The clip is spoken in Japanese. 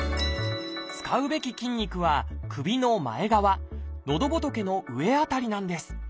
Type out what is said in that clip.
使うべき筋肉は首の前側のどぼとけの上辺りなんです。